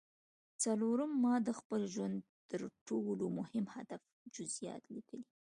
څلورم ما د خپل ژوند د تر ټولو مهم هدف جزييات ليکلي.